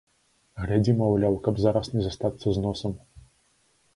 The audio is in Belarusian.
Глядзі, маўляў, каб зараз не застацца з носам!